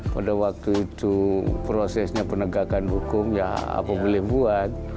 pada waktu itu prosesnya penegakan hukum ya apa boleh buat